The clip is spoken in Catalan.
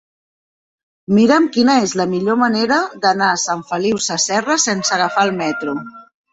Mira'm quina és la millor manera d'anar a Sant Feliu Sasserra sense agafar el metro.